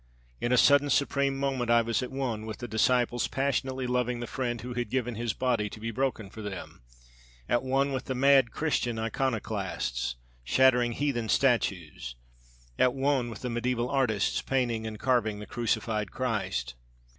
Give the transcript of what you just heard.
In a sudden supreme moment I was at one with the disciples, passionately loving the friend who had given his body to be broken for them; at one with the mad Christian iconoclasts, shattering heathen statues; at one with the mediæval artists, painting and carving the crucified Christ.